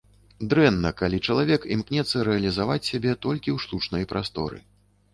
Дрэнна, калі чалавек імкнецца рэалізаваць сябе толькі ў штучнай прасторы.